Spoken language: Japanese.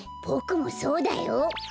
ボクもそうだよ。